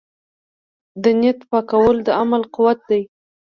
د نیت پاکوالی د عمل قوت دی.